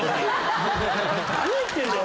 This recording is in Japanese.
何言ってんだよ！